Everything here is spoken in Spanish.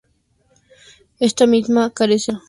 Esta misma, carece de sentido físico.